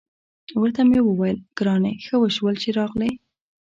ورته مې وویل: ګرانې، ښه وشول چې راغلې.